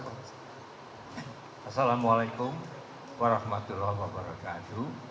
assalamualaikum warahmatullahi wabarakatuh